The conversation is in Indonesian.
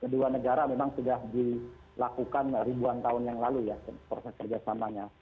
kedua negara memang sudah dilakukan ribuan tahun yang lalu ya proses kerjasamanya